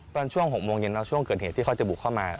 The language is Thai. ตอนช่วง๖โมงเย็นช่วงเกิดเหตุที่เขาจะบุกเข้ามา